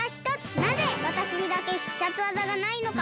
なぜわたしにだけ必殺技がないのか！